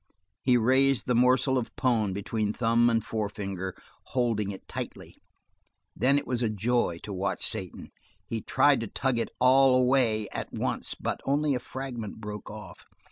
He raised the morsel of "pone" between thumb and forefinger, holding it tightly. Then it was a joy to watch Satan. He tried to tug it all away at once, but only a fragment broke off.